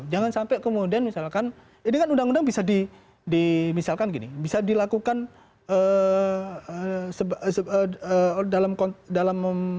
jangan sampai kemudian misalkan ini kan undang undang bisa di misalkan gini bisa dilakukan dalam